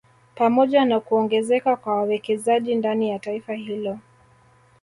Pamoja na kuongezeka kwa wawekezaji ndani ya taifa hilo